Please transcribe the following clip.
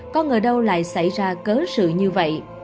có ngờ đâu lại xảy ra cớ sự như vậy